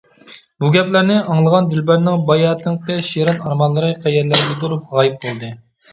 بۇ گەپلەرنى ئاڭلىغان دىلبەرنىڭ باياتىنقى شېرىن ئارمانلىرى قەيەرلەرگىدۇر غايىب بولدى.